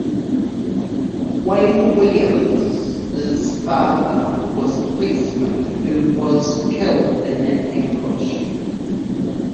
Wayne Williams' father was a policeman who was killed in an ambush.